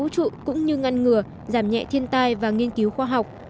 vệ tinh vân hải i cũng như ngăn ngừa giảm nhẹ thiên tai và nghiên cứu khoa học